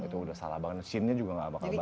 itu udah salah banget scene nya juga gak bakal bagus